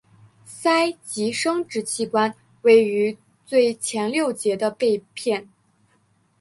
鳃及生殖器官位于最前六节的背片。